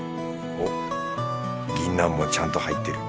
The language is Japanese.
おぎんなんもちゃんと入ってる。